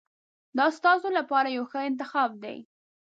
دا ستاسو لپاره یو ښه انتخاب دی.